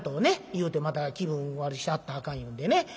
言うてまた気分悪しはったらあかんいうんでね。